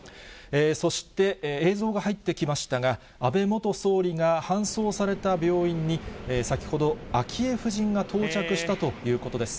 そして、映像が入ってきましたが、安倍元総理が搬送された病院に先ほど、昭恵夫人が到着したということです。